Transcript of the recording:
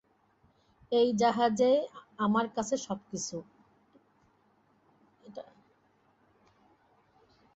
এই জাহাজই আমার কাছে সবকিছু।